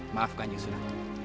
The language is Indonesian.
maaf kanjeng sunan